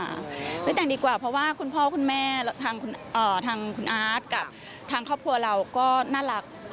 ไม่แต่งดีกว่าเพราะว่าคุณพ่อคุณแม่ทางคุณอาร์ตกับทางครอบครัวเราก็น่ารัก